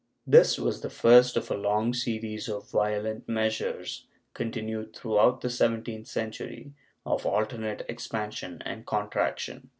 This was the first of a long series of violent measures continued throughout the seventeenth century, of alternate expansion and contraction.